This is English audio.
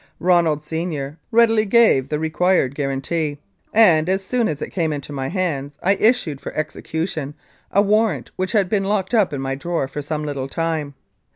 Ronald, Senior, readily gave the required guarantee, and as soon as it came into my hands I issued for execution a warrant which had been locked up in my drawer for some little time.